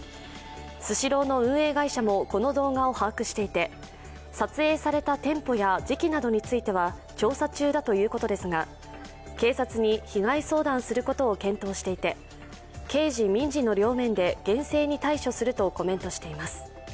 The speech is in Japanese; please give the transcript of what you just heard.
スシローの運営会社もこの動画を把握していて撮影された店舗や時期などについては調査中だということですが、警察に被害相談することを検討していて刑事・民事の両面で厳正に対処するとコメントしています。